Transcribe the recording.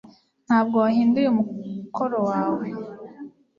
Ntabwo wahinduye umukoro wawe